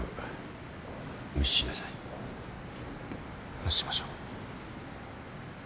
無視しましょう。